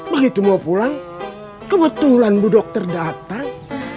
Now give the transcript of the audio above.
begitu mau pulang kebetulan bu dokter datang